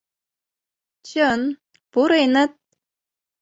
Чын, пуреныт...